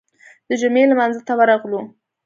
د جمعې لمانځه ته ورغلو.